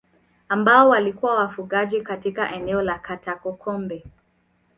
Ambao walikuwa wafugaji katika eneo la Katakokombe